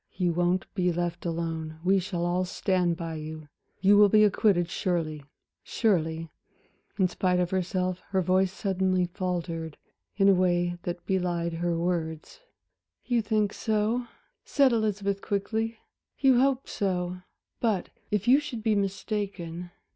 You won't be left alone, we shall all stand by you, you will be acquitted surely surely" in spite of herself, her voice suddenly faltered, in a way that belied her words. "You think so?" Elizabeth said, quickly. "You hope so. But if you should be mistaken?"